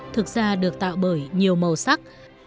thực ra được tạo bởi nhiều màu sắc